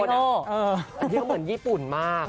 มันกลัวเหมือนญี่ปุ่น